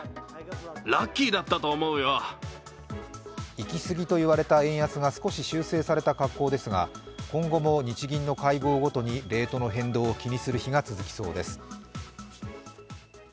行き過ぎと言われた円安が少し修正された格好ですが、今後も日銀の会合ごとに日銀のレートの変動を気にする日が続きそうです。